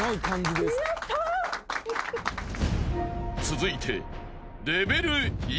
［続いて］